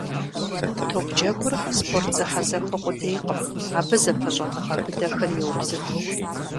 Топджэгур спорт зэхьэзэхуэ къудейкъым, абы зэпыщӏэныгъэ быдэхэр еубзыху.